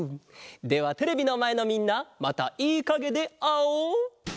ではテレビのまえのみんなまたいいかげであおう！